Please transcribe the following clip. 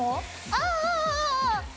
ああ！